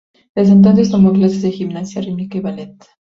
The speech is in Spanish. Desde entonces tomó clases de gimnasia rítmica y ballet.